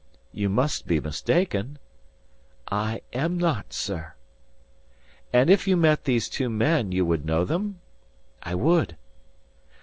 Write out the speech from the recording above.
"You must be mistaken!" "I am not, sir." "And if you met these two men, you would know them?" "I would."